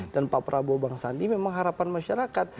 dan pak prabowo bang sandi memang harapan masyarakat